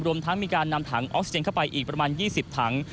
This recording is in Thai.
รวมทั้งมีการนำถังออกซิเจนเข้าไปอีกประมาณ๒๐ถัง